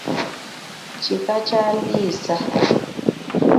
Kika kya Ndiisa.